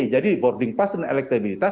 jadi boarding pass dan elektabilitas